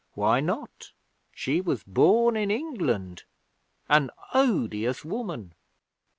Why not? She was born in England an odious woman.